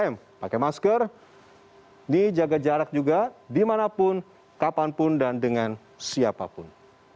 tiga m pakai masker ini jaga jarak juga dimanapun kapanpun dan dengan siapapun